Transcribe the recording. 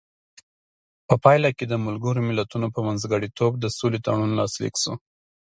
په پایله کې د ملګرو ملتونو په منځګړیتوب د سولې تړون لاسلیک شو.